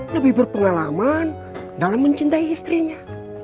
lebih berpengalaman dalam mencintai istrinya